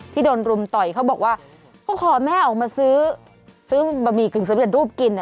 ที่โดนรุมต่อยเขาบอกว่าเขาขอแม่ออกมาซื้อซื้อบะหมี่๑๑รูปกิน